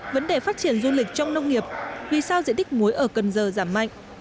vấn đề phát triển du lịch trong nông nghiệp vì sao diện tích muối ở cần giờ giảm mạnh